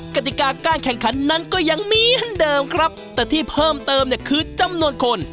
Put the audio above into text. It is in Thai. กติกาการแข่งขันนั้นก็ยังเหมือนเดิมครับแต่ที่เพิ่มเติมเนี่ยคือจำนวนคน